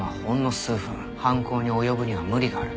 犯行に及ぶには無理がある。